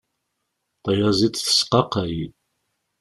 Tayaziḍt tesqaqay.